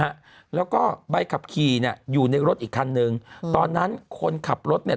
ฮะแล้วก็ใบขับขี่เนี่ยอยู่ในรถอีกคันนึงตอนนั้นคนขับรถเนี่ย